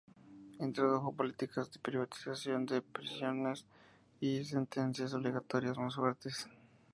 Introdujo políticas de privatización de prisiones y de sentencias obligatorias más fuertes.